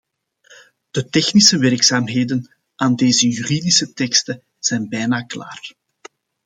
De technische werkzaamheden aan deze juridische teksten zijn bijna klaar.